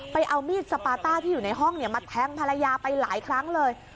เอามีดสปาต้าที่อยู่ในห้องมาแทงภรรยาไปหลายครั้งเลย